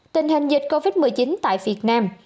tình hình dịch covid một mươi chín tại việt nam